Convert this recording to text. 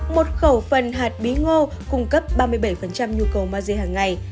một khẩu phần hạt bí ngô cung cấp ba mươi bảy nhu cầu maji hàng ngày